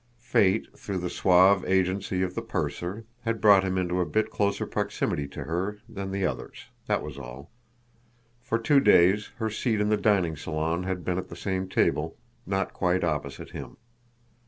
Fate, through the suave agency of the purser, had brought him into a bit closer proximity to her than the others; that was all. For two days her seat in the dining salon had been at the same table, not quite opposite him.